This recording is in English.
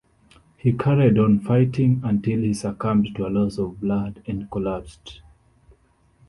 He carried on fighting until he succumbed to a loss of blood and collapsed.